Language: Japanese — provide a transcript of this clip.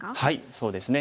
そうですね。